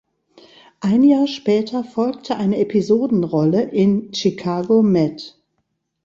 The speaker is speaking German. Ein Jahr später folgte eine Episodenrolle in "Chicago Med".